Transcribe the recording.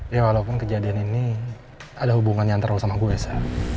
ya walaupun kejadian ini ada hubungan yang terlalu sama gue sa